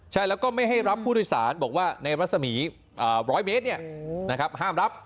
ใช่แล้วก็ไม่ให้รับผู้โดยสารบอกว่าในรัศมี๑๐๐เมตรห้ามรับ